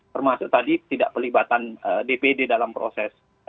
termasuk tadi tidak pelibatan dpd dalam proses